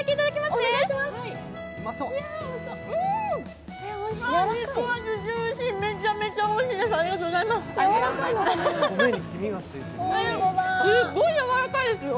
すっごいやわらかいですよ。